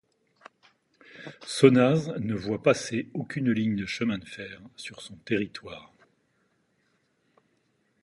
Sonnaz ne voit passer aucune ligne de chemin de fer sur son territoire.